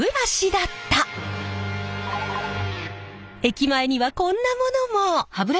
駅前にはこんなものも。